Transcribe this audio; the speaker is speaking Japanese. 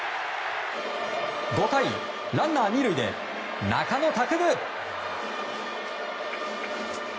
５回、ランナー２塁で中野拓夢。